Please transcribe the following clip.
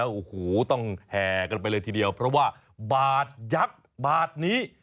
โอ้โหต้องแห่กันไปเลยทีเดียวเพราะว่าบาทยักษ์บาทนี้